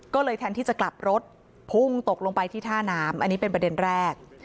ก็เลยแทนที่จะกลับรถพุ่งตกลงไปที่ท่าน้ำอันนี้เป็นประเด็นแรก